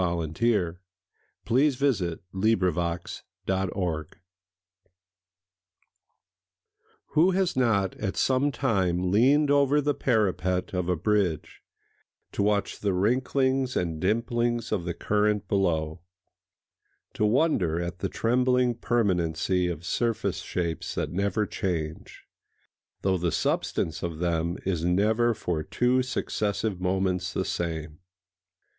A Mystery of Crowds [Pg 203] A Mystery of Crowds WHO has not at some time leaned over the parapet of a bridge to watch the wrinklings and dimplings of the current below,—to wonder at the trembling permanency of surface shapes that never change, though the substance of them is never for two successive moments the same?